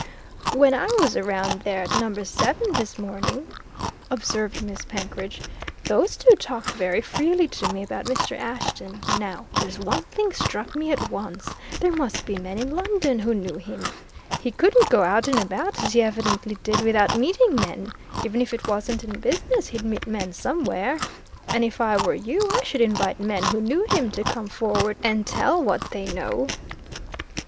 "When I was round there, at Number Seven, this morning," observed Miss Penkridge, "those two talked very freely to me about Mr. Ashton. Now, there's one thing struck me at once there must be men in London who knew him. He couldn't go out and about, as he evidently did, without meeting men. Even if it wasn't in business, he'd meet men somewhere. And if I were you, I should invite men who knew him to come forward and tell what they know."